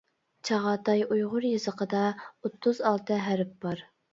چاغاتاي ئۇيغۇر يېزىقىدا ئوتتۇز ئالتە ھەرپ بار.